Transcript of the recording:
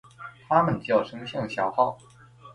它们的叫声像小号。